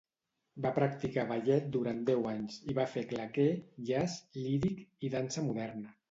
Va practicar ballet durant deu anys i va fer claqué, jazz, líric, i dansa moderna.